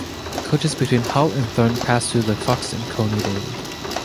Coaches between Hull and Thorne passed through The Fox and Coney daily.